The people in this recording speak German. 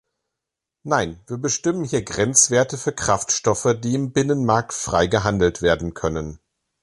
Nein, wir bestimmen hier Grenzwerte für Kraftstoffe, die im Binnenmarkt frei gehandelt werden können.